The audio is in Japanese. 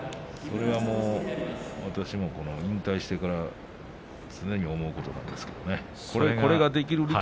私も引退してから常に思うことなんですけどね。